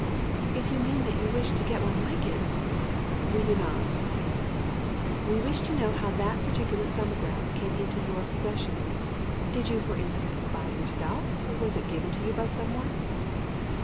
"If you mean that you wish to get one like it " "We do not," said Anstey. "We wish to know how that particular 'Thumbograph' came into your possession. Did you, for instance, buy it yourself, or was it given to you by someone?"